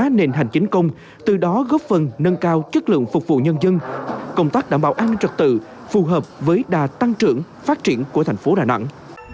nền hành chính công từ đó góp phần nâng cao chất lượng phục vụ nhân dân công tác đảm bảo an ninh trật tự phù hợp với đà tăng trưởng phát triển của thành phố đà nẵng